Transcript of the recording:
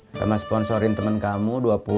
sama sponsorin temen kamu dua puluh